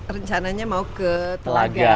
rencananya mau ke telaga